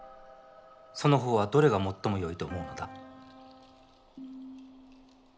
そのほうはどれが最も良いと思うのだ？